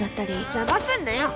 邪魔すんなよ！